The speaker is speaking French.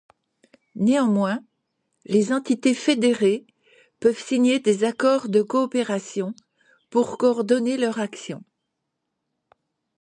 Néanmoins, les entités fédérées peuvent signer des accords de coopération pour coordonner leur action.